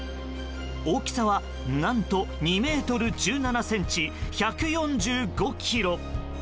大きさは何と２ｍ１７ｃｍ１４５ｋｇ。